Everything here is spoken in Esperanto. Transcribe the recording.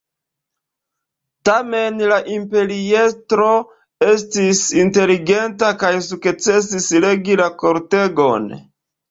Tamen, la imperiestro estis inteligenta kaj sukcesis regi la kortegon.